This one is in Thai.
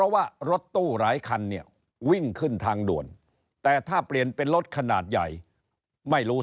หลายคันวิ่งขึ้นทางด่วนแต่ถ้าเปลี่ยนเป็นรถขนาดใหญ่ไม่รู้